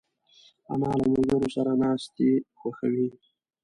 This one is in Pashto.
انا له ملګرو سره ناستې خوښوي